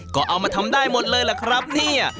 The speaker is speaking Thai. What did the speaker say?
ก็เอามาทำได้หมดเลยล่ะครับเนี่ย